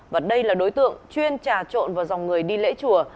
và đây là đối tượng chuyên trà trộn vào dòng người đi lễ chùa